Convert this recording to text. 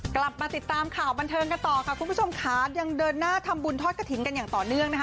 กลับมาติดตามข่าวบันเทิงกันต่อค่ะคุณผู้ชมค่ะยังเดินหน้าทำบุญทอดกระถิ่นกันอย่างต่อเนื่องนะคะ